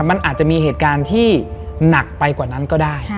มันอาจจะมีเหตุการณ์ที่หนักไปกว่านั้นก็ได้